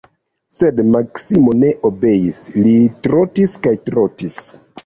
Sed Maksimo ne obeis, li trotis kaj trotis.